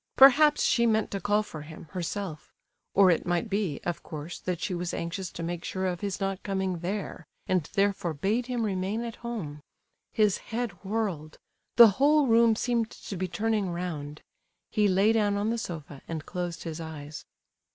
Perhaps she meant to call for him, herself, or it might be, of course, that she was anxious to make sure of his not coming there, and therefore bade him remain at home. His head whirled; the whole room seemed to be turning round. He lay down on the sofa, and closed his eyes.